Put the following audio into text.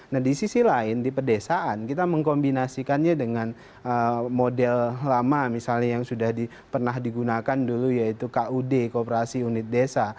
nah di sisi lain di pedesaan kita mengkombinasikannya dengan model lama misalnya yang sudah pernah digunakan dulu yaitu kud kooperasi unit desa